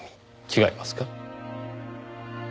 違いますか？